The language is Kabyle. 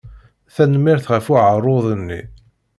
Tanemmirt ɣef uεaruḍ-nni.